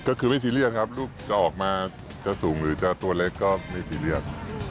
ก็คือไม่ซีเรียสครับลูกจะออกมาจะสูงหรือจะตัวเล็กก็ไม่ซีเรียส